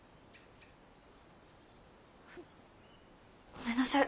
ごめんなさい。